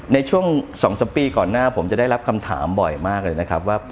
ในช่วง๒๓ปีก่อนหน้าผมจะได้รับคำถามบ่อยมากเลยนะครับว่า